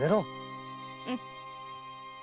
うん。